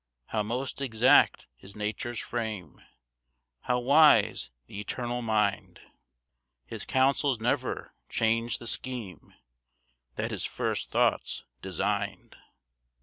3 How most exact is nature's frame! How wise th' Eternal mind! His counsels never change the scheme That his first thoughts design'd.